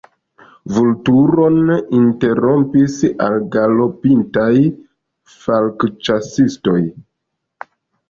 Vulturon interrompis algalopintaj falkĉasistoj.